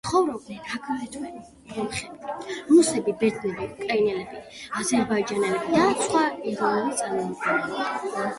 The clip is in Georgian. ცხოვრობდნენ აგრეთვე სომხები, რუსები, ბერძნები, უკრაინელები, აზერბაიჯანელები და სხვა ეროვნების წარმომადგენლები.